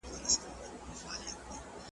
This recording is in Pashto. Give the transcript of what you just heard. له کوم خیرات څخه به لوږه د چړي سړوو `